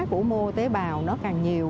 của mô tế bào nó càng nhiều